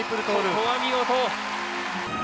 ここは見事。